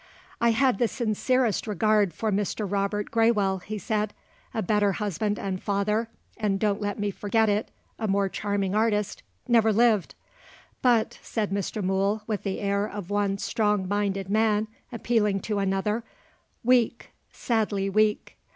"I had the sincerest regard for Mr. Robert Graywell," he said. "A better husband and father and don't let me forget it, a more charming artist never lived. But," said Mr. Mool, with the air of one strong minded man appealing to another: "weak, sadly weak.